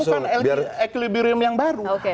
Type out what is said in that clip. ditemukan ekilibrium yang baru